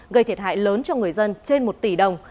gây thiệt hại lớn cho người dân trên một tỷ đồng